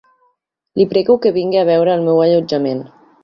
Li prego que vingui a veure el meu allotjament.